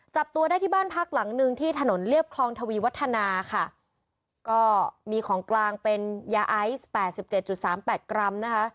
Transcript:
จับตัวได้ที่บ้านพักหลังหนึ่งที่ถนนเรียบคลองทวีวัฒนาค่ะก็มีของกลางเป็นยาไอซ์แปดสิบเจ็ดจุดสามแปดกรัมนะคะ